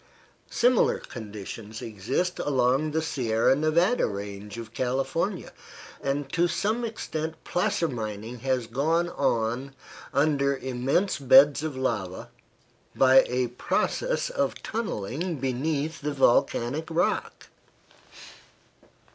Similar conditions exist along the Sierra Nevada range of California, and to some extent placer mining has gone on under immense beds of lava, by a process of tunneling beneath the volcanic rock.